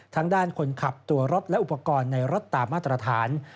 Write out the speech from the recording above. ทั้งด้านคนขับตัวรถและอุปกรณ์ในรถตามมาตรฐาน